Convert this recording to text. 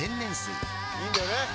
いいんだよね？